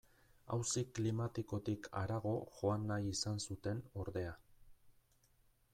Auzi klimatikotik harago joan nahi izan zuten, ordea.